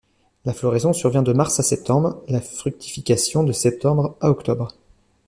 La floraison survient de mars à septembre, la fructification de septembre à octobre.